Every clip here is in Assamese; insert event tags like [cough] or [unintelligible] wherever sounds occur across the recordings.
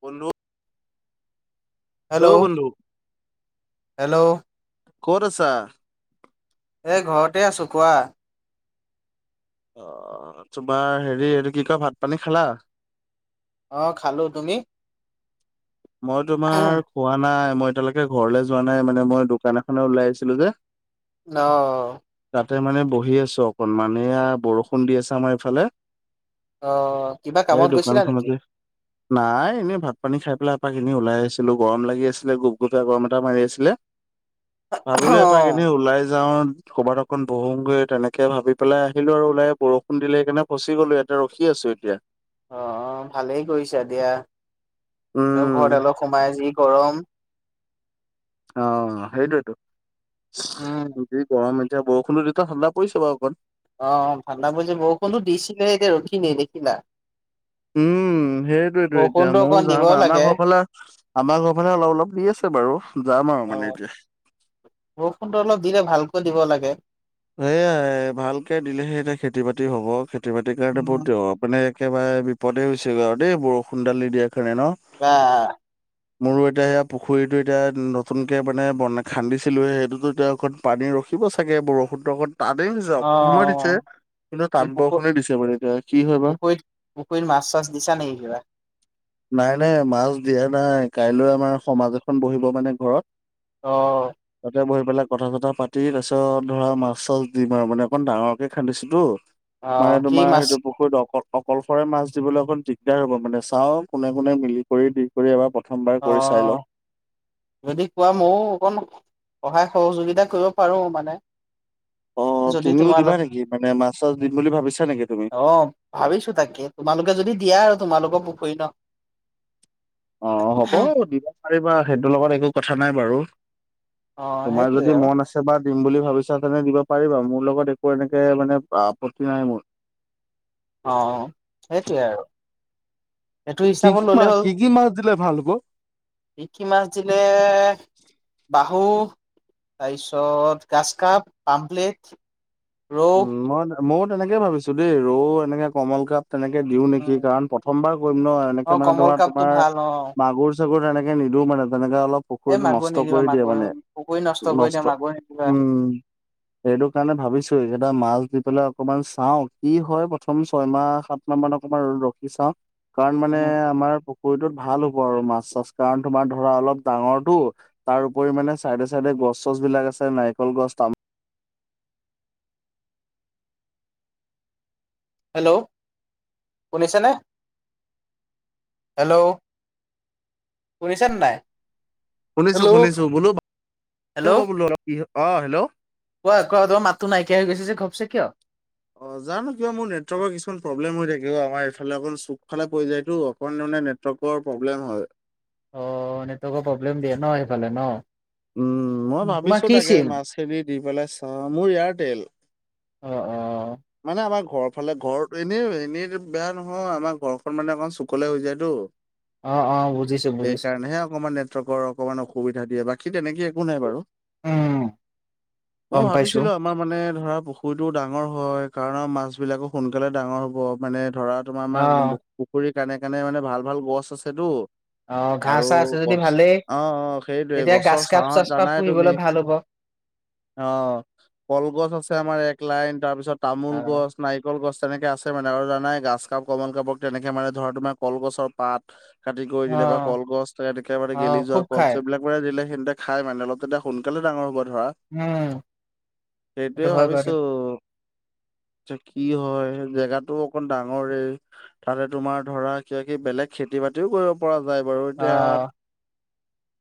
বোলো। হেল্ল' হেল্ল' কট আছা। এ ঘৰতে আছোঁ কোৱা। অ তোমাৰ হেৰি এইটো কি কয় ভাত পানী খালা। অ খালো তুমি। মই তোমাৰ অ খোৱা নাই। মই এতিয়ালৈকে ঘৰলৈ যোৱা নাই মানে মই দোকান এখনে ওলাই আহিছিলো যে। অহ তাতে মানে বহি আছো অকনমান এআ বৰষুণ দি আছ আমাৰ এইফালে? অ কিবা এই কামত গৈছিলা নেকি দোকানখনতে নাই এনেই ভাত পানী খাই পেলাই? চা কিনি ওলাই আহিছিলো গৰম লাগি আছিলে গোপ গোপ এ গৰম এটা মাৰি আছিলে? অ ভাবিলো এপাক এনে ওলাই যাওঁ। ক'ৰবাত অকন বহুমগৈ তেনেকে ভাবি পেলাই আহিলো আৰু ওলাই বৰষুণ দিলে সেইকাৰণে ফচি গ'লো এয়াতে ৰখি আছো। আছো এতিয়া। অ ভালেই কৰিছা দিয়া এনেও উম ঘৰত অলপ সোমাই যি গৰম। অ সেইটোটো উম যি গৰম। এতিয়া বৰষুণ এ ঠাণ্ডা পৰিছে বাৰুকণ। অ কিনি নেদেখিলা। উম উ সেইটোয়েতো এতিয়া বৰষুণতো ময়ো অকণ দিব যাম আমাৰ লাগে ঘৰ ফালে আমাৰ ঘৰ ফালে অলপ অলপ দি আছে বাৰু [unintelligible] অ এতিয়া। বৰষুণটো অলপ দিলে ভালকৈ দিব লাগে এয়াই ভালকে দিলেহে এতিয়া খেতি বাতি হব খেতি বাতিৰ কাৰণে বহু উম দ মানে একেবাৰে বিপদে হৈছেগৈ আৰু দেই বৰষুণ দালি দিয়াৰ কাৰণে ন বা মোৰো এতিয়া সয়া পুখুৰীটো এতিয়া নতুন কে মানে বন খান্দিছিলো সেইটোতো এতিয়া পানী ৰখি দিব চাগে বৰ পাদেইং জব অ অসমৰ দিছে কিন্তু কি তাত পুখু বৰষণেই দিছে বুলে এতিয়া কি হয় বা পুখুৰীত পুখুৰীত মাছ চাছ দিছা নেকি কিবা নাই নাই মাছ দিয়া নাই কাইলৈ আমাৰ সমাজ এখন বহিব মানে ঘৰত আহ বিলাক কথা চথা পাতি তাৰ পিছত ধৰা মাছ চাছ দিম আৰু মানে অকন ডাঙৰকে খান্দিছো তো অ মানে কি তোমাৰ মাছ সেইটো পুখুৰীত অকল অকলশৰে মাছ দিবলৈ অকণ দিগদাৰ হ'ব মানে চাওঁ কোনে কোনে মিলি কৰি দি কৰি এবাৰ প্ৰথমবাৰ কৰি চাই অ লওঁ যদি কোৱা ময়ো অকণ সহায় সহযোগিতা কৰিব পাৰো মানে [inaudible] অ যদি তুমিও দিবা তোমালোক নেকি মানে মাছ চাছ দিম বুলি ভাবিছা নেকি তুমি অহ ভাবিছো তাকে তোমালোকে যদি দিয়া আৰু তোমালোকৰ পুখুৰী ন অ হ'ব দিবা পাৰিবা সেইটোৰ লগত একো কথা নাই বাৰু। অ তোমাৰ সেইটোয়ে যদি আৰু মন আছে বা দিম বুলি ভাবিছা তেনে দিব পাৰিবা মোৰ লগত একো এনেকে মানে আপত্তি নাই মোৰ অ সেইটোৱে আৰু সেইটো কি হিচাপত কি মা কি কি মাছ দিলে ভাল হ'ব ষি মাছ দিলে বাহ হু তাৰপিছত গাছ কাপ, পামপ্লেট ৰৌ উম মই ময়ও তেনেকে ভাবিছো দেই ৰৌ এনেকে কমল কাপ তেনেকে দিও নেকি উম কাৰণ প্ৰথমবাৰ কৰিম ন অ এনেকে মানে কমল ধৰা কাপটো তোমাৰ ভাল অ মাগুৰ চাগুৰ এনেকে নিদো মানে তেনেকে অলপ এই পুখুৰীটো মাগুৰ নষ্ট নিদিবা কৰি দিয়ে মাগুৰ মানে পুখুৰী কৰি নষ্ট দিয়া মাগুৰ নিদিবা উম এইটো কাৰণে ভাবিছো এই যে এা মাছ দি পেলাই অকমান চাওঁ কি হয় প্ৰথম ছয়মাহ সাত মাহ মান অকমান ৰ ৰখি চাওঁ কাৰণ মানে আমাৰ পুখুৰীটোত ভাল হ'ব আৰু মাছ চাছ কাৰণ তোমাৰ ধৰা অলপ ডাঙৰটো তাৰ উপৰি মানে চাইডে চাইডে গছ চছ বিলাক আছে নাৰিকল গছ তাম হেল্ল' শুনিছেনে হেল্ল' শুনিছেনে নাই শুনিছো হেল্ল' শুনিছো বোলো হ'ব হেল্ল' বোলো অলপ অ হেল্ল' কোৱা কোৱা তোমাৰ মাতটো নাইকিয়া হৈ গৈছে যে ঘপছে কিয় অ জানো কিয় মোৰ নেটৱৰ্কৰ কিছুমান প্ৰব্লেম হৈ থাকিব আমাৰ এইফালে অকণ চুক ফালে পৰি যায়তো অকনমান তাৰ মানে নেটৱৰ্ক প্ৰব্লেম হয় অ নেটৱকৰ প্ৰব্লেম দিয়ে ন সেইফালে ন উম মই তোমাৰ ভাবিছো কি তাকে চিম? মাছখৰি দি পেলাই চাওঁ মোৰ এয়াৰটেল অ অ মানে আমাৰ ঘৰ ফালে ঘৰত এনেই এনেই বেয়া নহয় আমাৰ ঘৰখন মানে অকণ চুকলে হৈ যায় তো। অ অ বুজিছো বুজিছো। সেইকাৰণেহে অকমান নেটৱৰ্কৰ অকণমান অসুবিধা দিয়ে বাকী তেনেকে একো নাই বাৰু উম মই গম পাইছো। ভাবিছিলো আমাৰ মানে ধৰা পুখুৰীটো ডাঙৰ হয় কাৰণৰ মাছ বিলাকো সোনকালে ডাঙৰ হ'ব মানে ধৰা তোমাৰ অ আমাৰ উ পুখুৰী কানে কানে মানে ভাল ভাল গছ আছে তো অ ঘাঁহ আৰু চাহ আছে যদি গছ ভালেই অ অ সেইটোৱে তেতিয়া গাছ গছৰ কাপ চাচ চাহত কাপ জানাই তুমি পুহিবলৈ ভাল হ'ব। অ কলগছ আছে আমাৰ এক লাইন তাৰপিছত তামোল অ গছ নাৰিকল গছ তেনেকে আছে মানে আৰু জানাই গাছ কাপ কমল কাপক তেনেকে মানে ধৰ তোমাৰ কলগছৰ পাত কাটি কৰি দিলে বা কলগছ ত একেবাৰে অ গেলি যোৱা খুব কল খাই চ এইবিলাক মানে দিলে সেহতে খাই মানে তেতিয়া অলপ সোনকালে ডাঙৰ হব ধৰা উম সেইটোৱে সেইটো হয় বাৰু ভাবিছো কি হয় জেগাতটো অকন ডাঙৰে তালে তোমাৰ ধৰা ক কি বেলেগ খেতি খেতি বাতিও কৰিব পৰা যায় বাৰু অ এতিয়া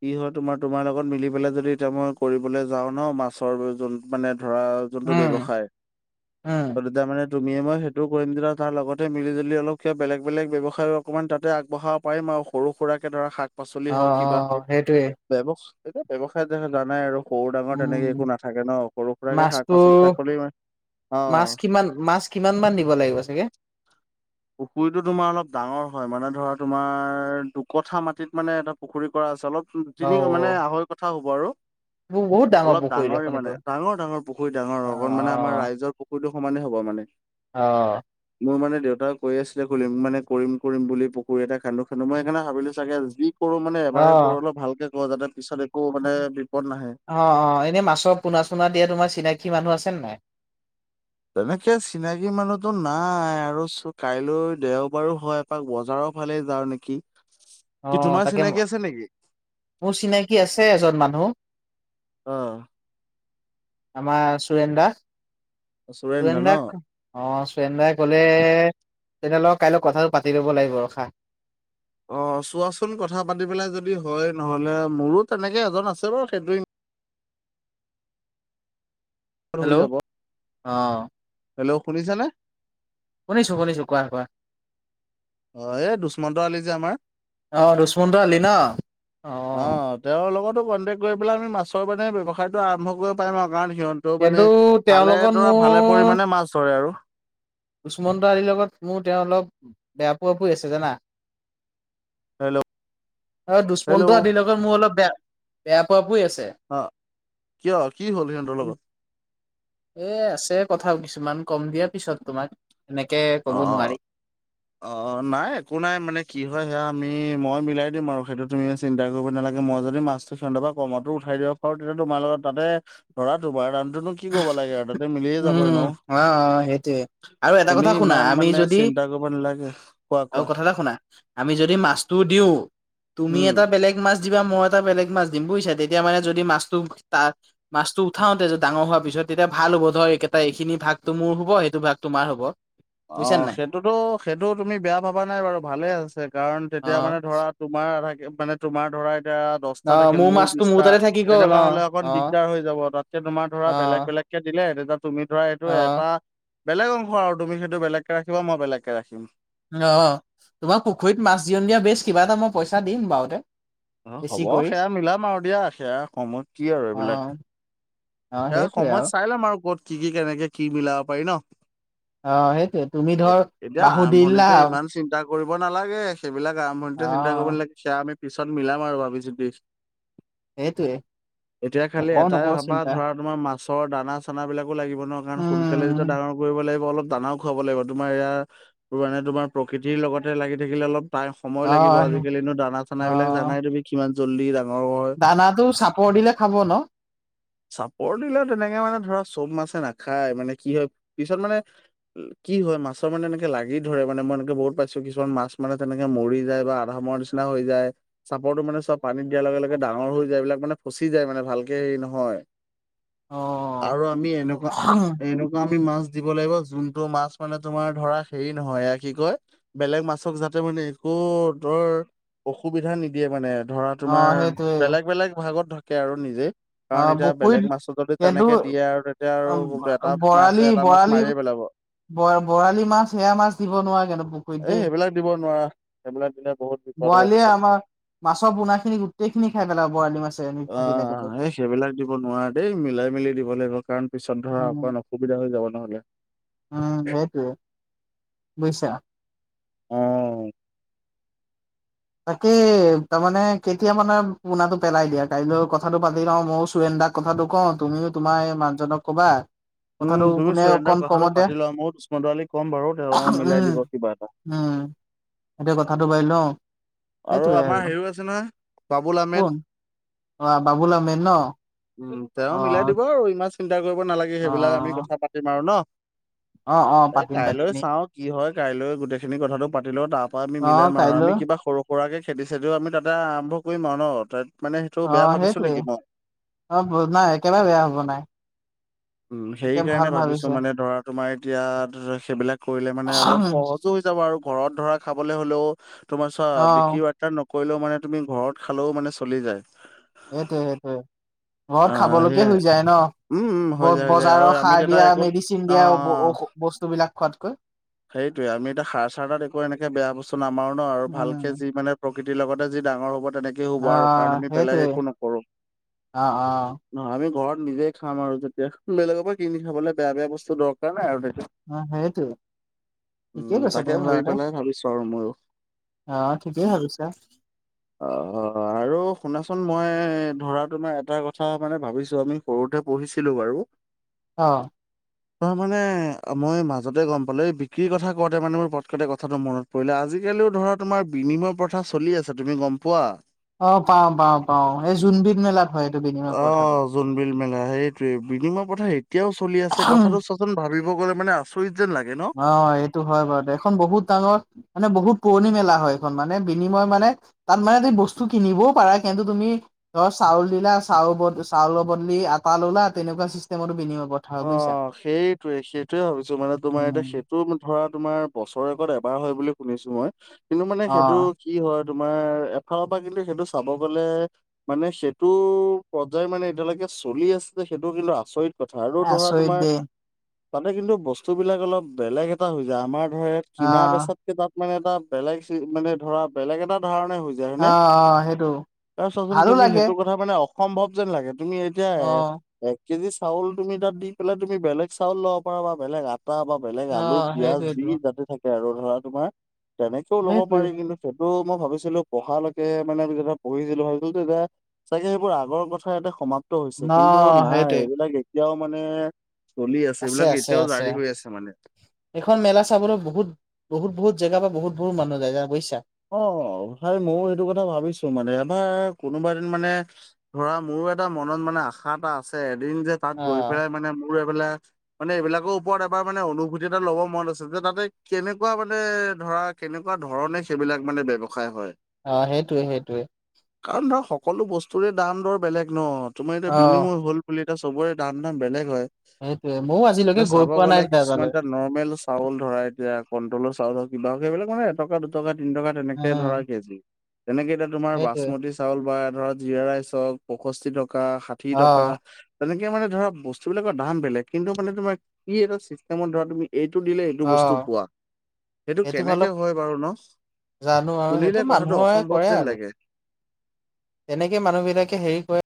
কি হয় তোমাৰ তোমাৰ লগত মিলি পেলাই যদি এতিয়া মই কৰিবলৈ যাওঁ ন মাছৰ য মানে ধৰা যোনটো উম ব্যৱসায় উম অতি মানে [unintelligible] তুমিয়ে মই সেইটো কৰিমতিা তাৰ লগতে মিলি জুলি অলপ কা বেলেগ বেলেগ ব্যৱসায় অকমান তাতে আগবঢ়াব পাৰিম সৰু সুৰাকে ধৰা শাক পাচলি অ হওক কিবা হওক অ সেইটোৱে বৱ এতি ব্যৱসায় যে জানাই আৰু সৰু ডাঙৰ তেনেকে একো উম নাথাকে ন সৰু সুৰাকে শাক মাছটো পাচলি চাকলি [unintelligible] অ মাছ কিমান মাছ কিমান মান দিব লাগিব চাগে? পুখুৰীটো তোমাৰ অলপ ডাঙৰ হয় মানে ধৰা তোমাৰ দুকঠা মাটিত মানে এটা পুখুৰী কৰা আছে অলপ অ তিনি মানে আহৰি কথা হ'ব আৰু বহুত ডাঙৰ অলপ পুখুৰী ডাঙৰে দেখোন এইটো। মানে ডাঙৰ ডাঙৰ পুখুৰী ডাঙৰ অ', অকণ মানে আমাৰ অ', ৰাইজ পুখুৰীটোৰ সমানে হ'ব মানে অ মোৰ মানে দেউতা কৈ আছিলে খুলিম মানে কৰিম কৰিম বুলি পুুৰ এটা খান্দু খান্দো মই সেইকাৰে ভাবিলো চাগে যি [unintelligible] কৰো মানে এবাৰে কৰো অ', অলপ ভালকে কৰো যাতে পিছত একো মানে বিপদ নাহে। অ অ এনেই মাছৰ পোনা চোনা দিয়া তোমাৰ চিনাকী মানুহ আছেনে নাই [unintelligible] তেনেকে চিনাকি মানুহতো নাই আৰু কাইলৈ দেওবাৰো হয় এপাক বজাৰত ফালে যাওঁ নেকি কি অ তোমাৰ তাকে ম চিনাকি আছে নেকি? মোৰ চিনাকি আছে এজন মানুহ আহ আমাৰ চোৰেন্দা সুৰেন্দ্ৰ ন? চোৰেন্দাক অ ফ্ৰেণ্ডাই কলে তেনেলক কাইলৈ কথাটো পাতি ল'ব লাগিব ৰখা অ চোৱাচোন কথা পাতি পেলাই যদি হয় নহলে মোৰো তেনেকে এজন আছে বাৰু সেইটো উ হৈ হেল্ল' যাব অ হেল্ল' শুনিছ নে শুনিছো শুনিছো কোৱা কোৱা অ এই দুষ্মন্ত আলি যে আমাৰ আহ দুষ্মন্ত আলি ন অ কন্টেক্ কৰি পেল আমি মাছৰ ব্যৱসায় টো আৰম্ভ কৰিব পাৰিম আৰু কাৰণ সিহঁতেও মানে কিন্তু তেওঁৰ ভালে লগত ধৰা ভালে মোৰ পৰিমে মাছ ধৰে আৰু দুষ্মন্ত আলিৰ লগত মোৰ তেওঁ অলপ বেয়া পোৱা পোই আছে জানা হেল্ল' অ হেল্ল' দুষ্মন্ত আদিল লগ লগে মোৰ অলপ বেয়া বেয়া পোৱ পোই আছে আহ কিয় কি হ'ল সিহঁতৰ লগত এ আছে কথা কিছুমান কম দিয়া পিছত তোমাক এনেকে অ কব নোৱাৰি অ নাই একো নাই মানে কি হয় সেয়া তুমি মই মিলাই দিম আৰু সেইটো তুমি চিন্তা কৰিব নালাগ মই যদি মাছটো সিহঁতৰ পা কমতো উঠাই দিব পাৰো তেতিয়া তোমাৰ লগত তাতে লৰাটো বাৰ উম অ অ সেইটোৱে আৰু এটা তুমি কথা শুনা ইমান আমি মানে যদি চিন্তা কৰিব নালাগে কোৱা আৰু কোৱা কথা এটা শুনা আমি যদি মাছটো দিওঁ তোমি উম এটা বেলেগ মা মাছ দিবা মই এটা বেলেক মাছ দিম বুইছে তেতিয়া মানে যদি মাছটো তা মাছটো উঠাওঁতে ডাঙৰ হোৱাৰ পিছত তেতিয়া ভাল হ'ব ধৰ এইকেটা এইখিনি ভাগতটো মোৰ হ'ব এইটো ভাগ তোমাৰ হব। অ বুজিছা নে নাই সেইটোতো সেইটো তুমি বেয়া ভাবা নাই বাৰু ভালে আছে। কাৰণ অ তেতিয়া মানে ধৰা তোমাৰ আধা মানে তোমাৰ ধৰা তিয়া দছটা অ থাকিল মোৰ মোৰো মাছটো মোৰ বিছটা তাতে থাকি গ'ল তেনেকুৱা অ হলে অকণ অ দিগদাৰ হৈ যাব তাতকে তোমাৰ ধৰা অ বেলেগ বেলেগ কে দিলে তেদপ তুমি ধৰা এইটো অ এটা বেলেগ অংশ আৰু তুমি সেইটো বেলেগকে ৰাখিবা মই বেলেগকে ৰাখিম। অ তোমাৰ পুখুৰীত মাছ জিয়নদিয়া বেছ কিবা এটা মই পইচা দিম বাওতে। অ হ'ব সেয়া মিলাম আৰু দিয়া সেয়া সময়ত কি আৰু অ এইবিলাক। অ এ সেইটোৱে সময়ত চাই লম আৰু কত কি কি কেনেকে কি মিলাব পাৰি ন। অ সেইটোৱে তুমি ধৰ এতিয়া বাহু দিলা আৰম্ভণিতে ইমান চিন্তা কৰিব নালাগে সেইবিলাক অ আৰম্ভণিতে চিন্তা কৰিব নালাগে। সেয়া আমি পিছত মিলাম আৰু ভাবিছো দি সেইটোৱে এতিয়া খালি নকওঁ এটাই নকওঁ ভাবা চিন্তা ধৰা তোমাৰ মাছৰ দানা চানা বিলাকো লাগিব ন। কাৰণ সোনকালে যেতিয়া উম ডাঙৰ কৰিব লাগিব অলপ দানাও খুৱাব লাগিব। তোমাৰ এয়া মানে তোমাৰ প্ৰকৃতিৰ লগতে লাগি থাকিলে অলপ তাই সময় অ লাগিব আজিকালিনো দানা চানা অ বিলাক জানাই তুমি কিমান জল্দি ৰা দানাটো চাপৰ দিলে খাব ন। চাপৰ দিলে তেনেকে মানে ধৰা চব মাছে নাখায় মানে কি হয় পিছত মানে কি হয় মাছৰ মানে এনেকে লাগি ধৰে মানে মই এনেকে বহুত পাইছো কিছুমান মাছ মানে তেনেকে মৰি যায় বা আধা সময়ৰ নিচিনা হৈ যায়। চাপৰটো মানে চব পানীত দিয়াৰ লগে লগে ডাঙৰ হৈ যায় এইবিলাক মানে ফচি যায় মানে ভালকে হেৰি নহয়। অ আৰু আমি এনেকুৱা এনেকুৱা আমি মাছ দিব লাগিব যোনটো মাছ মানে তোমাৰ ধৰা হেৰি নহয় এয়া কি কয় বেলেগ মাছক যাতে মানে একো কো ধৰ অসুবিধা নিদিয়ে মানে। ধৰা অ তোমাৰ সেইটোৱে বেলেগ বেলেগ ভাগত থাকে আৰু নিজেই। অঁ বুক। শুইত এইটো দিয়ে আৰু তেতিয়া আৰু এটা মাছে বৰালি এটা মাছ বৰালি মাৰিয়ে পেলাব বৰা বৰালি মাছ সেয়া মাছ দিব নোৱাকেনো পুখুৰীত এই দেই। সেইবিলাক দিব নোৱাৰা সেইবিলাক দিলে বহুত বিপদ হ'ব বৱালিয়ে পিছত আমা মাছৰ পোনা খিনি গোটেই খিনি খাই পেলাব বৰালি মাছ। অ অ! সেইহ। সেইবিলাক দিব নোৱাৰা দেই মিলাই মেলি দিব লাগিব। কাৰণ পিছত ধৰা উম অকমান অসুবিধা হৈ যাব নহলে। উম সেইটোৱে বুইছা। অ অ। তাকে তাৰ মানে কেতিয়া মানে পোনাটো পেলাই দিয়া কাইলৈ কথাটো পাতি লওঁ মও চুৰেণ তাক কথাটো কওঁ তুমিও তোমাৰ এই মানুহজনক কবা। উম কথাটো তুমি কোনে চুৰেন্দ্ৰাৰ অকণ কথাটো কমতে পাতি লোৱা মও উষ্ম দোৱালী ক'ম বাৰু তেওঁ মিলাই উম দিব কিবা এটা। উম এতিয়া কথাটো বায়িল ন। আৰু আমাৰ হেৰিও আছে নহয় বাবুল আহমেদ। কোন অ বাবুলআহমেদ ন। উম অ তেওঁ মিলাই দিব আৰু ইমান চিন্তা কৰিব নালাগে অ সেইবিলাক আমি কথা পাতিম আৰু ন। অ অ এ পাতিম কাইলৈ পাতিম চাঁও কি হয়। কাইলৈ গোটেইখিনি কথাটো পাতি লওঁ তাৰ পা আমি অ মিলাম আৰু আমি কাইলৈ কিবা সৰ কৰাকে খেদিছেদদও আমি তাতে আৰম্ভ কৰিম আৰু ন তাত। মানে সেইটো অ বেয়া ভাবিছো নেকি সেইটোৱেই মই? অ ব নাই একেবাৰে বেয়া হব নাই। উঁ সেই একে ভাল কাৰণে ভাবিছো ভাবিছে মানে ধৰা তোমাৰ এতিয়া সেইবিলাক কৰিলে মানে অলপ সহজো হৈ যাব আৰু ঘৰত ধৰা, খাবলৈ হলেও তোমাৰ অ চোৱা [unintelligible] নকৰিলেও মানে তুমি ঘৰত খালেওঁ মানে চলি যায়। সেইটোয়ে সেইটোয়ে ঘৰত আহ খাবলৈকে সেয়াই হৈ যায় ন। উম উম হৈ ব যায় হৈ যায় আৰু বজাৰৰ আমি সাৰ দাদা দিয়া একো মেডিচিন অ দিয়া বস্তু বিলাক। খোৱাতকৈ সেইটোয়ে আমি এতিয়া সাৰ চাৰ তা দেখুৱাই এনেকে বেয়া বস্তু নামাৰো ন। আৰু ভালকে উম যি মানে কৃতিৰ লগতে যি ডাঙৰ হ'ব তেনেকে হ'ব আৰু আহ কাৰণ আমি বেলেগ সেইটোৱে একো নকৰো অ অ ন আমি ঘৰত নিজে খাম আৰু যেতিয়া বেলেগৰ পৰা কিনি খাবলে বেয়া বেয়া বস্তু দৰকাৰ নাই আৰু অ সেইটো উম তাকে ভাবি পেলাই ভাবিছো আৰু ময়ো অ ঠিকেই ভাবিছা অ আৰু শুনাচোন মই ধৰা তোমাৰ এটা কথা মানে ভাবিছো আমি সৰুতে পঢ়িছিলো বাৰু অ তাৰ মানে মই মাজতে গম বিক্ৰীৰ কথা কওঁতে মানে মোৰ পটকটে কথাটো মনত পৰিলে আজিকালিও ধৰা তোমাৰ বিনিময় পথা চলি আছে তুমি গম পোৱা অ পাও পাও পাও এই জোনবিধ মেলাত হয় এইটো বিনিময় অ প্ৰথাটো জোনবিল মেলা সেইটোৱে বিনিময় প্ৰথা এতিয়াও চলি আছে কথাটো চোৱাচোন ভাবি মই গ'লে মান আচৰিত যেন লাগে ন অ এইটো হয় বাৰু দে এখন বহুত ডাঙৰ মানে বহুত পুৰণি মেলা হয় এইখন মানে বিনিময় মানে তাত মানে ত বস্তু কিনিবও পাৰা কিন্তু তুমি ধ চাউল দিলা চাউ চাউলৰ বদলি আটা ললা তেনেকুৱা চিষ্টেমতো বিনিয়ম অ সেইটোয়ে সেইটোয়ে ভাবিছো মানে তোমাৰ এতিয়া উম সেইটো ধৰা তোমাৰ বছৰেগত এবাৰ হয় বুলি শুনিছো মই কিন্তু মানে অ সেইটো কি হয়। তোমাৰ এফালৰ পৰা কিন্তু সেইটো চাব গলে মানে সেইটো পৰ্যায় মানে এতিয়ালৈকে চলি আছে যে সেইটো কিন্তু আচৰিত কথা আৰু ধৰা আচৰিত তোমাৰ দেই তাতে কিন্তু বস্তু বিলাক অলপ বেলেগ এটা হৈ যায় আমাৰ ধৰা ইয়াত অ কিনা বেছাতকে তাত মানে এটা বেলেগ মানে ধৰা বেলেগ এটা ধাৰণ যায় অ হয়নে [unintelligible] অ সেইটো ভালো চোৱাচোন লাগে সেইটৌ কথা মানে সম্ভৱ যেন লাগে তুমি এতিয়া অ এ এক কেজি চাউল তুমি তাত দি পেলাই তুমি বেলেগ চাউল লব পাৰা বা বেলেগ আটা বা বেলেগ অ আলু পিয়াজ যি সেইটোৱেইটো তাতে থাকে আৰু ধৰা তোমাৰ তেনেকেও ল'ব সেইটোৱে পাৰি কিন্তু ত মই ভিছিলো পঢ়ালৈকে মানে ধৰক পঢ়িছিলো ভাবিছিলো এতিয়া চাগে সেইবোৰ আগৰ কথা এটা সমাপ্ত অ হৈছে কিন্তু নাই সেইটোৱে এইবিলাক এতিয়াও মানে চলি আছে এইবিলাক আছে এতিয়াও আছে জাৰি হৈ মানে এইখন মেলা চাবলৈ বহুত বহুত বহুত জেগ পৰা বহুত বহু মানুহ যায় বুজিছা অ তাই মই সেইটো কথা ভাবিছো মানে এবাৰ কোনোবা এ দিন মানে ধৰা মোৰ মোৰ এটা মনত মানে আশা এটা আছে এদিন যে তাত অ গৈ পেলাই মানে মোৰ এইবাক মানে এইবিলাকৰ ওপৰত এবাৰ মানে অনুভূতি এটা ল'ব মনত আছিল যে তাতে কেনেকুৱা মানে ধৰ ধৰা কেনেকুৱা ধৰণে সেইবিলাক মানে ব্যৱসায় হয় অ সেইটোৱে সেইটোৱে কাৰণ ধৰা সকলো বস্তুৰে দাম দৰ বেলেগ ন তোমাৰ এতিয়া অ বিনিময় হল বুলি এতিয়া চবৰে দাম দাম বেলেগ হয় সেইটোৱেই মো এ চাব গ'লে কিছুমানটোৱে নৰ্মেল চাউল ধৰা দিয়ে কন্তলৰ চাউলহক কিবাহক [unintelligible] সেইবিলাক মানে এটকা দুটকা তিন টকা তেনেকে ধৰা উম কেজি তেনেকে এতিয়া তোমাৰ সেইটোৱে বাচমতি চাউল বা ধৰক জিৰা ৰাইচ হওক পঁইষষ্ঠি টকা ষাঠি অ টকা তেনেকে মানে ধৰা বস্তুবিলাকৰ দাম বেলেগ কিন্তু মানে তোমাৰ কি এটা চিষ্টেমত ধৰা তুমি এইটো দিলে এইটো অ বস্তু পোৱা সেইটো কেনেকে হয় বাৰু ন জানো হয় শুনিলে সেইটো কথাটো মানুহয় অসম্ভৱ কৰে যেন আৰু লাগে। তেনেকে মানুহবিলাকে হেৰি কৰে